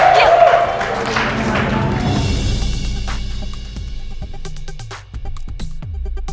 kau gak sudah tahu